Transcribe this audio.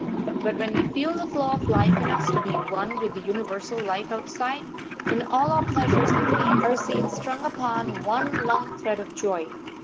But when we feel the flow of life in us to be one with the universal life outside, then all our pleasures and pains are seen strung upon one long thread of joy.